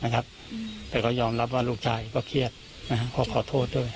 แต่ก็ยอมรับว่าลูกชายก็เครียดก็ขอโทษด้วย